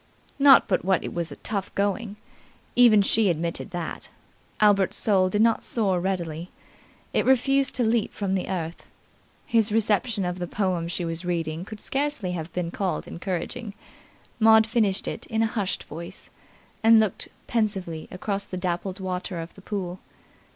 Not but what it was tough going. Even she admitted that. Albert's soul did not soar readily. It refused to leap from the earth. His reception of the poem she was reading could scarcely have been called encouraging. Maud finished it in a hushed voice, and looked pensively across the dappled water of the pool.